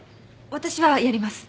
私はやります。